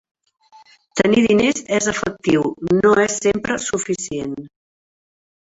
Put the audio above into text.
Tenir diners en efectiu no és sempre suficient.